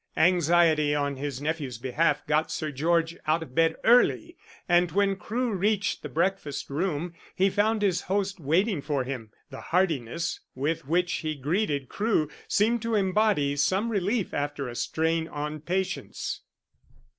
Anxiety on his nephew's behalf got Sir George out of bed early, and when Crewe reached the breakfast room he found his host waiting for him. The heartiness with which he greeted Crewe seemed to embody some relief after a strain on patience.